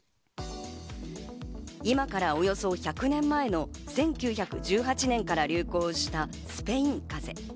今からおよそ１００年前の１９１８年から流行したスペイン風邪。